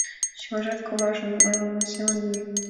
Чылажат коважын ойлымо семын лие.